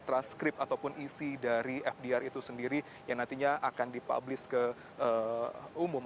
transkript ataupun isi dari fdr itu sendiri yang nantinya akan dipublis ke umum